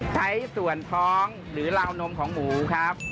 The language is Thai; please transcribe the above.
ใช้ส่วนท้องหรือราวนมของหมูครับ